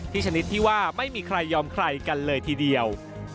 ชนิดที่ว่าไม่มีใครยอมใครกันเลยทีเดียว